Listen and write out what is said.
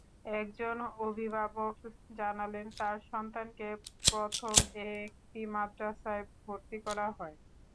একজন অভিভাবক জানালেন, তাঁর সন্তানকে প্রথম একটি মাদ্রাসায় ভর্তি করা হয়।